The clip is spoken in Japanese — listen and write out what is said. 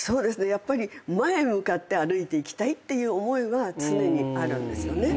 やっぱり前向かって歩いていきたいっていう思いは常にあるんですよね。